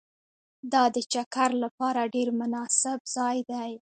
دا د چکر لپاره ډېر مناسب ځای دی